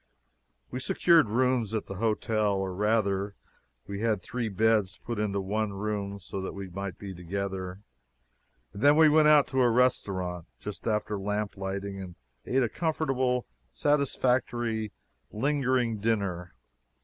We secured rooms at the hotel, or rather, we had three beds put into one room, so that we might be together, and then we went out to a restaurant, just after lamplighting, and ate a comfortable, satisfactory, lingering dinner.